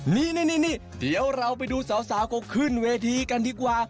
นี่เดี๋ยวเราไปดูสาวเขาขึ้นเวทีกันดีกว่า